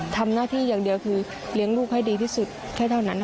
ทำหน้าที่อย่างเดียวคือเลี้ยงลูกให้ดีที่สุดแค่เท่านั้น